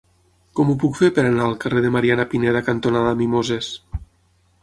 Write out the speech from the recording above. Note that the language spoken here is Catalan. Com ho puc fer per anar al carrer Mariana Pineda cantonada Mimoses?